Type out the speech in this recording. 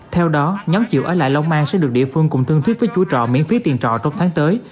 theo đó nhóm chịu ở lại long an sẽ được địa phương cùng tương thuyết với chú trọ miễn phí tiền trọ trong tháng tới